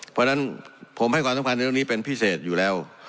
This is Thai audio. เพราะฉะนั้นผมให้ความสำคัญในเรื่องนี้เป็นพิเศษอยู่แล้ว